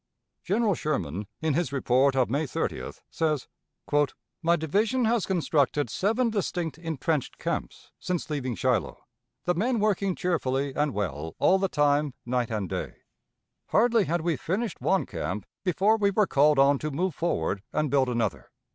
General Sherman, in his report of May 30th, says: "My division has constructed seven distinct intrenched camps since leaving Shiloh, the men working cheerfully and well all the time, night and day. Hardly had we finished one camp before we were called on to move forward and build another.